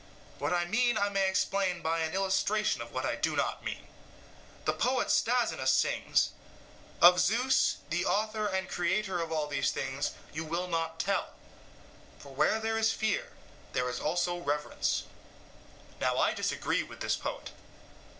What I mean I may explain by an illustration of what I do not mean. The poet (Stasinus) sings 'Of Zeus, the author and creator of all these things, You will not tell: for where there is fear there is also reverence.' Now I disagree with this poet.